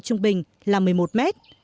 trung bình là một mươi một mét